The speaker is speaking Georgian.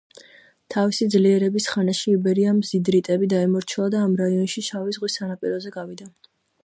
თავისი ძლიერების ხანაში იბერიამ ზიდრიტები დაიმორჩილა და ამ რაიონში შავი ზღვის სანაპიროზე გავიდა.